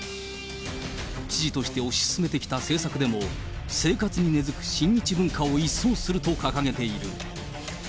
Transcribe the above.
知事として推し進めてきた政策でも、生活に根付く親日文化を一掃すると掲げている。